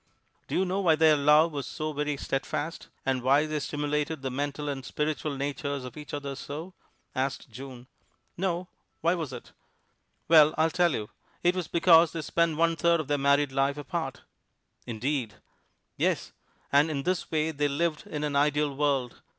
"Do you know why their love was so very steadfast, and why they stimulated the mental and spiritual natures of each other so?" asked June. "No, why was it?" "Well, I'll tell you: it was because they spent one third of their married life apart." "Indeed!" "Yes, and in this way they lived in an ideal world.